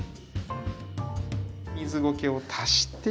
水ゴケを足して。